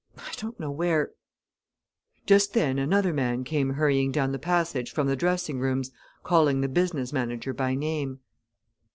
I don't know where " Just then another man came hurrying down the passage from the dressing rooms, calling the business manager by name.